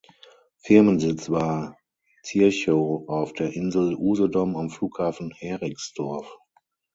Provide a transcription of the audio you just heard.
Firmensitz war Zirchow auf der Insel Usedom am Flughafen Heringsdorf.